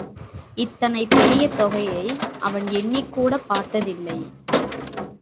இத்தனை பெரிய தொகையை அவன் எண்ணிக் கூடப் பார்த்ததேயில்லை.